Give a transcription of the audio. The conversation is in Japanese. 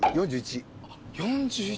４１。